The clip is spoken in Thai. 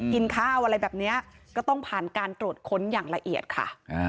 กินข้าวอะไรแบบนี้ก็ต้องผ่านการตรวจค้นอย่างละเอียดค่ะ